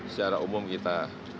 secara umum kita